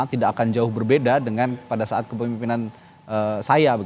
tidak akan jauh berbeda dengan pada saat kepemimpinan saya